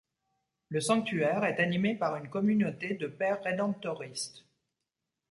Le sanctuaire est animé par une communauté de pères rédemptoristes.